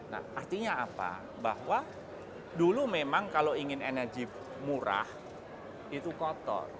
nah artinya apa bahwa dulu memang kalau ingin energi murah itu kotor